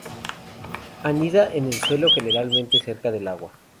Anida en el suelo, generalmente cerca del agua.